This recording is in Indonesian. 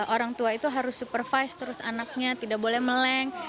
orang tua itu harus supervise terus anaknya tidak boleh meleng